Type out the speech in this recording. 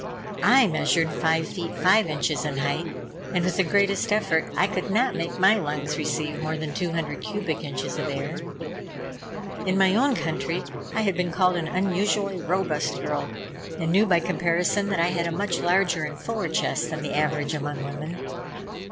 I measured five feet and five inches in height, and with the greatest effort I could not make my lungs receive more than two hundred cubic inches of air. In my own country I had been called an unusually robust girl, and knew, by comparison, that I had a much larger and fuller chest than the average among women.